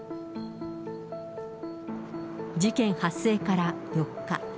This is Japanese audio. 事件発生から４日。